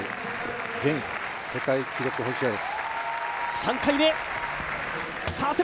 現世界記録保持者です。